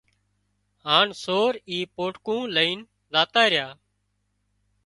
هانَ سور اي پوٽڪون لئينَ زاتا ريا